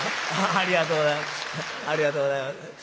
ありがとうございます。